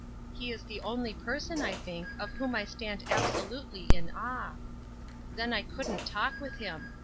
He is the only person I think of whom I stand absolutely in awe. Then I couldn't talk with him.